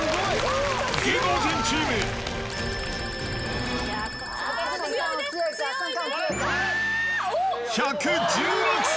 芸能人チーム、１１６皿。